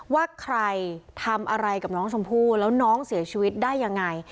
ว่าใครทำอะไรกับน้องชมพู่แล้วน้องเสียชีวิตได้ยังไง